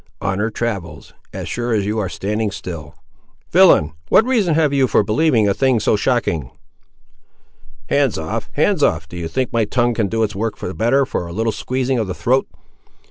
"On her travels, as sure as you are standing still!" "Villain, what reason have you for believing a thing so shocking?" "Hands off—hands off—do you think my tongue can do its work the better, for a little squeezing of the throat!